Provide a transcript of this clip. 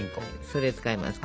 それ使いますから。